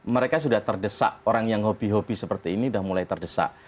mereka sudah terdesak orang yang hobi hobi seperti ini sudah mulai terdesak